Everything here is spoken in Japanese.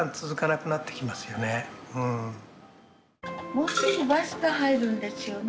もうすぐバスが入るんですよね。